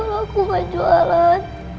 kalau aku gak jualan